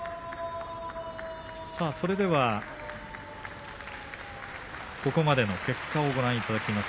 それではここまでの結果をご覧いただきます。